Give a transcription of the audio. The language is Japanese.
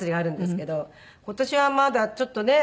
今年はまだちょっとね